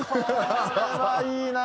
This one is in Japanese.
これはいいなあ。